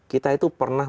kita itu pernah